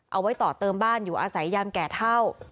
เอาไว้ต่อเติมบ้านอยู่อาศัยยามแก่เท่า